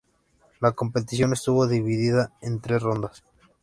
La competición estuvo dividida en tres rondas.